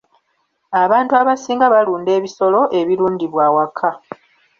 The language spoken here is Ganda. Abantu abasinga balunda ebisolo ebirundibwa awaka.